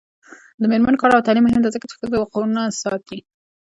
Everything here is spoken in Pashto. د میرمنو کار او تعلیم مهم دی ځکه چې ښځو حقونو ساتنه ده.